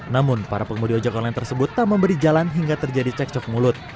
namun para pengemudi ojek online tersebut tak memberi jalan hingga terjadi cekcok mulut